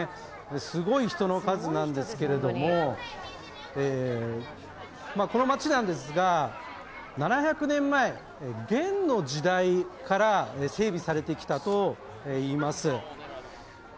すごい人の数なんですけれどもこの街は７００年前、元の時代から整備されてきたといいます。